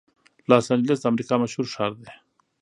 لاس انجلس د امریکا مشهور ښار دی.